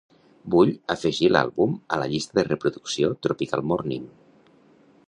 Vull afegir l'àlbum a la llista de reproducció Tropical Morning.